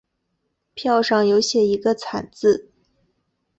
票上有写一个惨字